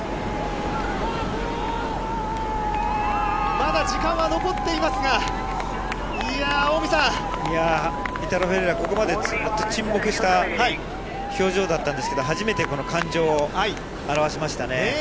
まだ時間は残っていますが、イタロ・フェレイラ、ここまでずっと沈黙した表情だったんですけど、初めてこの感情を表しましたね。